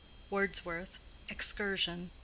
—WORDSWORTH: Excursion, B.